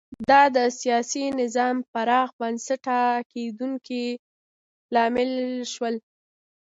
دا د سیاسي نظام پراخ بنسټه کېدو لامل شول